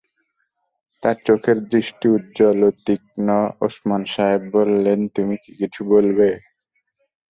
তাঁর চোখের দৃষ্টি উজ্জ্বল ও তীক্ষ্ণ ওসমান সাহেব বললেন, তুমি কিছু বলবে?